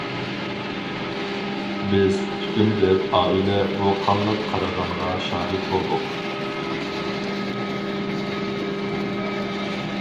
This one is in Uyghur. بىز پۈتۈن بىر ئائىلە بۇ قانلىق قىرغىنغا شاھىت بولدۇق.